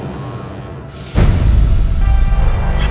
perhatikan itu baik baik